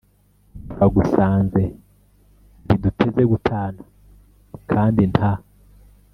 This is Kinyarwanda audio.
turagusanze ntiduteze gutana, kandi nta